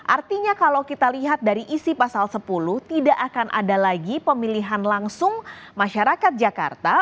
artinya kalau kita lihat dari isi pasal sepuluh tidak akan ada lagi pemilihan langsung masyarakat jakarta